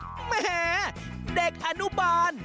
อะไรนะแหมเด็กอนุบาล